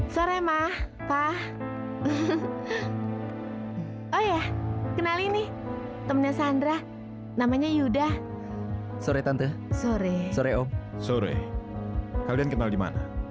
sampai jumpa di video selanjutnya